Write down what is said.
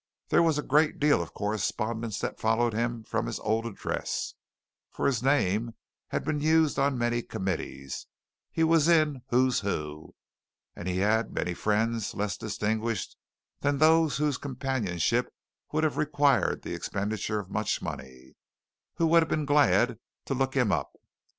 There was a great deal of correspondence that followed him from his old address, for his name had been used on many committees, he was in "Who's Who," and he had many friends less distinguished than those whose companionship would have required the expenditure of much money who would have been glad to look him up.